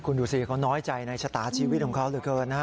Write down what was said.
คุณดูสิเขาน้อยใจในชะตาชีวิตของเขาเหลือเกินนะฮะ